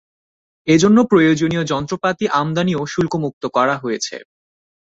এ জন্য প্রয়োজনীয় যন্ত্রপাতি আমদানিও শুল্কমুক্ত করা হয়েছে।